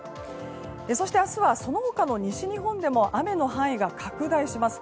そして明日はその他の西日本でも雨の範囲が拡大します。